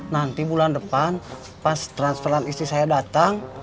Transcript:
nanti bulan depan pas transferan istri saya datang